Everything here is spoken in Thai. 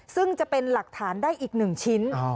ซึ่งจะเป็นหลักฐานได้อีก๑ชิ้น